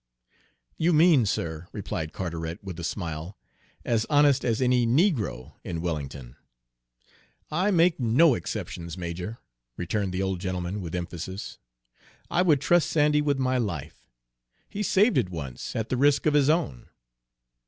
"You mean, sir," replied Carteret, with a smile, "as honest as any negro in Wellington." "I make no exceptions, major," returned the old gentleman, with emphasis. "I would trust Sandy with my life, he saved it once at the risk of his own."